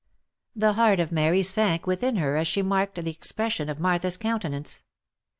The heart of Mary sank within her as she marked the expression of Martha's countenance.